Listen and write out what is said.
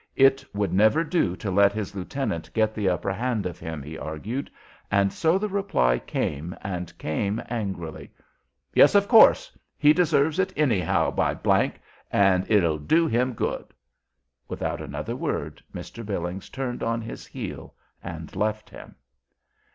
It would never do to let his lieutenant get the upper hand of him, he argued, and so the reply came, and came angrily. "Yes, of course; he deserves it anyhow, by ! and it'll do him good." Without another word Mr. Billings turned on his heel and left him.